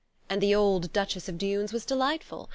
And the old Duchess of Dunes was delightful.